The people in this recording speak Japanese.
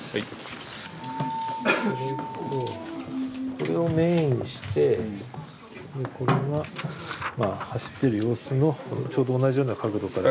これをメインにしてでこれはまあ走ってる様子のちょうど同じような角度から。